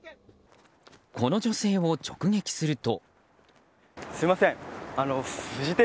この女性を直撃すると。